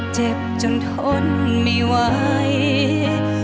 เจ็บจนทนไม่ไหว